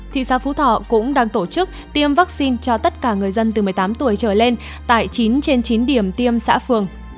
thị xã phú thọ cũng đang tổ chức tiêm vaccine cho tất cả người dân từ một mươi tám tuổi trở lên tại chín trên chín điểm tiêm xã phường